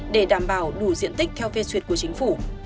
để đảm bảo đủ diện tích theo phê duyệt của chính phủ